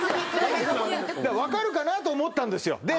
分かるかなと思ったんですよ。